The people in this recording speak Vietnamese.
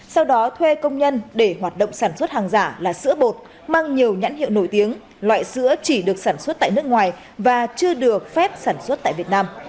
sau đó thuê công nhân để hoạt động sản xuất hàng giả là sữa bột mang nhiều nhãn hiệu nổi tiếng loại sữa chỉ được sản xuất tại nước ngoài và chưa được phép sản xuất tại việt nam